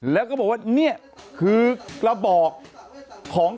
แล้วก็บอกว่านี่คือกระบอกของ